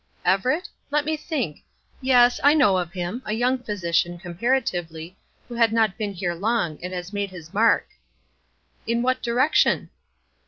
"Everett? Let me think yes, I know of him; a young physician, comparatively, who had not been here long, and has made his mark." "In what direction?"